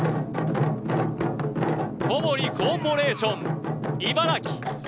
小森コーポレーション・茨城。